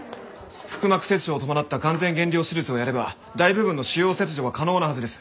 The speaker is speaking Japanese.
腹膜切除を伴った完全減量手術をやれば大部分の腫瘍切除が可能なはずです。